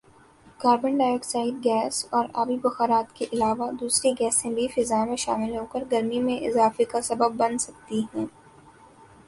carbon dioxide gas اور آبی بخارات کے علاوہ ، دوسری گیسیں بھی فضا میں شامل ہوکر گرمی میں اضافے کا سبب بن سکتی ہیں